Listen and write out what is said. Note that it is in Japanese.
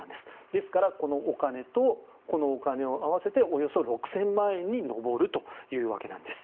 ですから、このお金とこのお金を合わせておよそ６０００万円に上るというわけなんです。